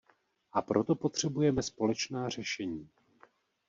A proto potřebujeme společná řešení.